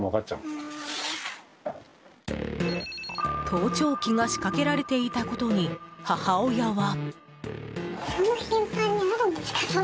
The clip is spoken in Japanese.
盗聴器が仕掛けられていたことに母親は。